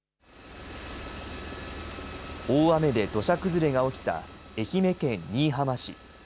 大雨で土砂崩れが起きた愛媛県新居浜市。